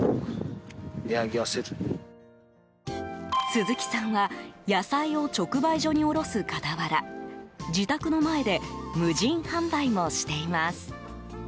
鈴木さんは野菜を直売所に卸す傍ら自宅の前で無人販売もしています。